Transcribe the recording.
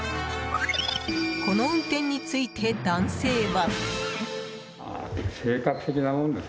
この運転について、男性は。